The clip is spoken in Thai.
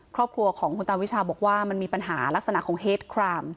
ครอบครัวของคุณตาวิชาบอกว่ามันมีปัญหาลักษณะของเฮดคราม